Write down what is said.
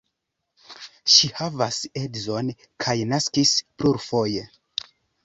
Ŝi havas edzon kaj naskis plurfoje.